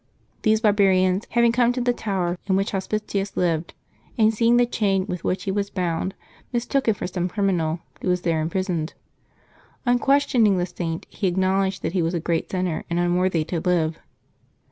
These barbarians, having come to the tower in which Hospitius lived, and seeing the chain with which he was bound, mis took him for some criminal who was there imprisoned. On questioning the Saint, he acknowledged that he was a great sinner and unworthy to live.